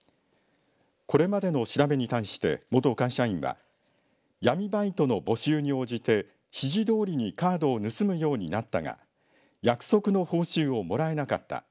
これまでの調べに対し元会社員は闇バイトの募集に応じて指示どおりにカードを盗むようになったが約束の報酬をもらえなかった。